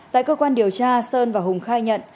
tại cơ quan điều tra sơn và hùng khai nhận